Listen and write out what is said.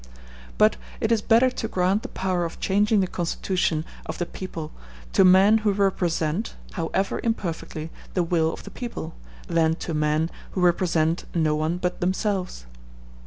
But it is better to grant the power of changing the constitution of the people to men who represent (however imperfectly) the will of the people, than to men who represent no one but themselves.